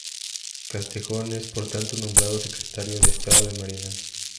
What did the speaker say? Castejón es por tanto nombrado secretario de estado de Marina.